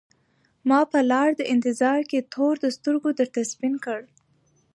ما په لار د انتظار کي تور د سترګو درته سپین کړل